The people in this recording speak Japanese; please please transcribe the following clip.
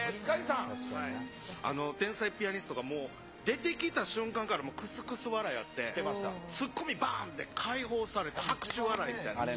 天才ピアニストがもう、出てきた瞬間から、もうくすくす笑いやって、ツッコミばーんで、開放されて、拍手笑いみたいな。